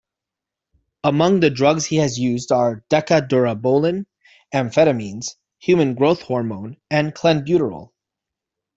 Among the drugs he has used are Deca-Durabolin, amphetamines, human growth hormone and Clenbuterol.